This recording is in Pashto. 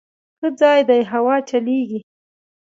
_ښه ځای دی، هوا چلېږي.